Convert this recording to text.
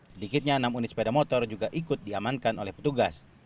sedikitnya enam unit sepeda motor juga ikut diamankan oleh petugas